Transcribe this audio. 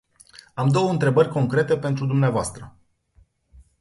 Am două întrebări concrete pentru dumneavoastră.